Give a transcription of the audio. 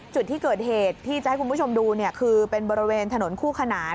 จุดที่เกิดเหตุที่จะให้คุณผู้ชมดูคือเป็นบริเวณถนนคู่ขนาน